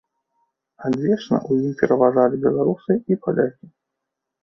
Адвечна ў ім пераважалі беларусы і палякі.